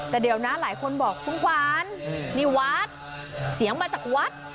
แต่เดี๋ยวนะหลายคนบอกคุณขวานนี่วัดเสียงมาจากวัด